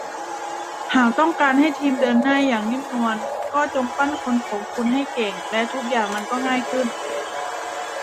หากต้องการให้ทีมเดินหน้าอย่างนิ่มนวลก็จงปั้นคนของคุณให้เก่ง และทุกอย่างมันก็ง่ายขึ้น